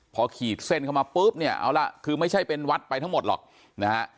พอขีดเส้นเข้ามาปุ๊บเนี่ยเอาล่ะคือไม่ใช่เป็นวัดไปทั้งหมดหรอกนะฮะ